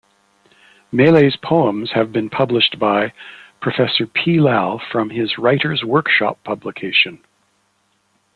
Malay's poems have been published by Professor P. Lal from his Writers Workshop publication.